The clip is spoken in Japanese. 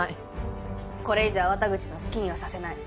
これ以上粟田口の好きにはさせない。